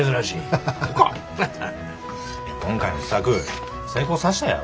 今回の試作成功さしたいやろ。